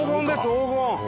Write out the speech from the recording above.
黄金！